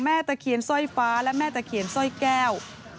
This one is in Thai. ตะเคียนสร้อยฟ้าและแม่ตะเคียนสร้อยแก้ว